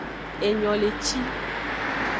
Enyoleci.